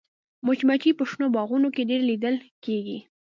مچمچۍ په شنو باغونو کې ډېره لیدل کېږي